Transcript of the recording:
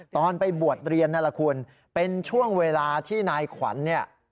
ตอนไปบวชเรียนนั่นแหละคุณเป็นช่วงเวลาที่นายขวัญเนี่ย